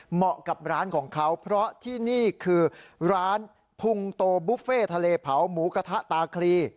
เหมาะกับร้านของเขาเพราะที่นี่คือร้านพุงโตบุฟเฟ่ทะเลเผาหมูกระทะตาคลี